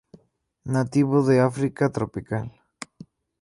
Nativo de África tropical.